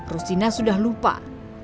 ruzina sudah lupa untuk berhenti di rumah